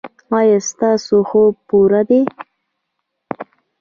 ایا ستاسو خوب پوره دی؟